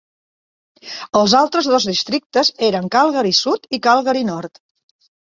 Els altres dos districtes eren Calgary Sud i Calgary Nord.